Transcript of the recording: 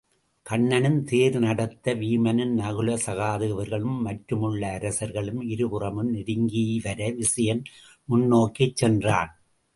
கண்ணன் தேர் நடத்த வீமனும் நகுல சகாதேவர்களும் மற்றுமுள்ள அரசர்களும் இருபுறமும் நெருங்கிவர விசயன் முன்னோக்கிச் சென்றான்.